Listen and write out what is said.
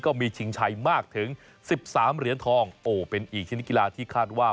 ชิงชัยมากถึง๑๓เหรียญทองโอ้เป็นอีกชนิดกีฬาที่คาดว่า